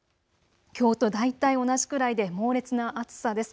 きょうと大体同じくらいで猛烈な暑さです。